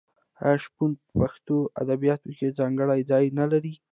آیا شپون په پښتو ادبیاتو کې ځانګړی ځای نلري؟